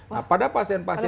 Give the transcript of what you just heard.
nah pada pasien pasien